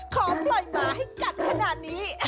ของปล่อยหมาให้กัดขนาดนี้